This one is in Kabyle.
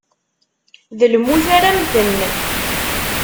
D lmut ara mmten.